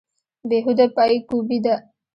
بې هوده پایکوبي ده.